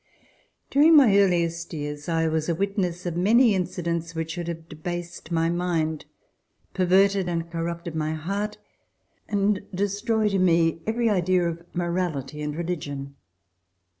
During my earliest years I was a witness of many incidents which should have debased my mind, perverted and corrupted my heart, and destroyed in me every idea of morality and religion.